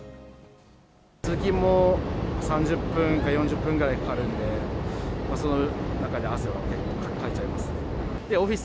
通勤も３０分か４０分ぐらいかかるんで、その中で汗は結構かいちゃいますね。